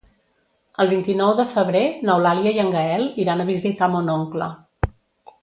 El vint-i-nou de febrer n'Eulàlia i en Gaël iran a visitar mon oncle.